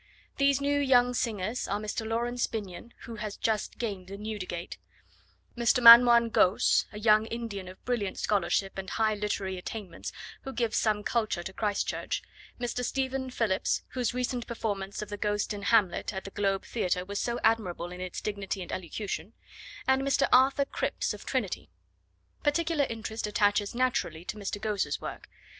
These new young singers are Mr. Laurence Binyon, who has just gained the Newdigate; Mr. Manmohan Ghose, a young Indian of brilliant scholarship and high literary attainments who gives some culture to Christ Church; Mr. Stephen Phillips, whose recent performance of the Ghost in Hamlet at the Globe Theatre was so admirable in its dignity and elocution; and Mr. Arthur Cripps, of Trinity. Particular interest attaches naturally to Mr. Ghose's work.